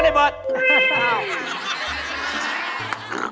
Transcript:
รายการต่อไปนี้เป็นรายการทั่วไปสามารถรับชมได้ทุกวัย